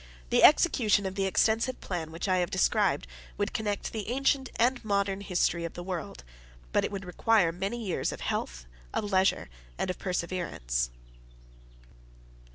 The execution of the extensive plan which I have described, would connect the ancient and modern history of the world; but it would require many years of health, of leisure, and of perseverance.